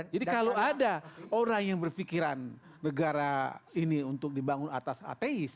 jadi kalau ada orang yang berpikiran negara ini untuk dibangun atas ateis